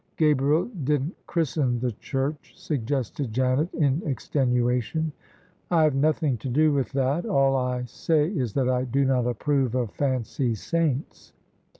" Gabriel didn't christen the church," suggested Janet, in extenuation. " I have nothing to do with that. All I say is that I do not approve of fancy saints."